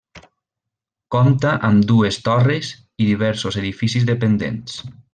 Compta amb dues torres i diversos edificis dependents.